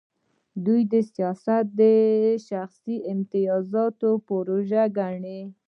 دوی سیاست د شخصي امتیازاتو پروژه ګڼي.